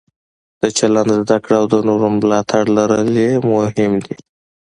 د چلند زده کړه او د نورو ملاتړ لرل یې مهم دي.